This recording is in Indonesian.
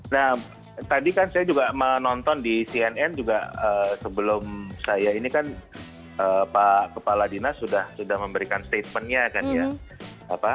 nah tadi kan saya juga menonton di cnn juga sebelum saya ini kan pak kepala dinas sudah memberikan statementnya kan ya